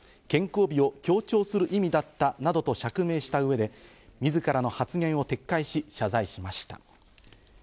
健康美を強調する意味だったなどと釈明した上で自らの発言を撤回し謝罪しました。